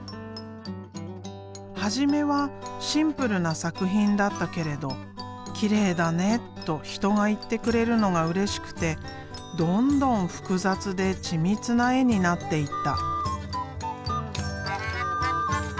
初めはシンプルな作品だったけれど「きれいだね」と人が言ってくれるのがうれしくてどんどん複雑で緻密な絵になっていった。